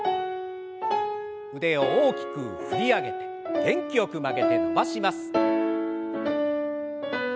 腕を大きく振り上げて元気よく曲げて伸ばします。